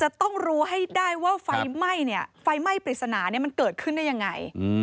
จะต้องรู้ให้ได้ว่าไฟไหม้เนี่ยไฟไหม้ปริศนาเนี่ยมันเกิดขึ้นได้ยังไง